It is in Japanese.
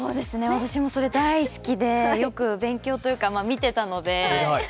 私もそれ大好きで、よく勉強というか見てたので。